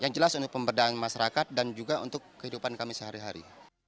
yang jelas untuk pemberdayaan masyarakat dan juga untuk kehidupan kami sehari hari